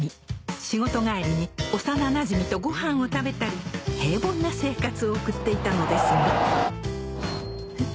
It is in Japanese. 仕事帰りに幼なじみとごはんを食べたり平凡な生活を送っていたのですがえ？